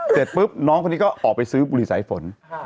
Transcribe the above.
เสร็จปุ๊บน้องคนนี้ก็ออกไปซื้อบุหรี่สายฝน